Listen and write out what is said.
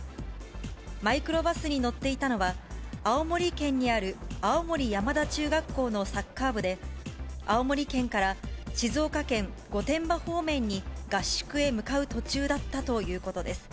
マイクロバスに乗っていたのは、青森県にある青森山田中学校のサッカー部で、青森県から静岡県御殿場方面に合宿へ向かう途中だったということです。